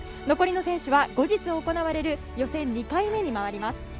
残りの選手は後日行われる予選２回目に回ります。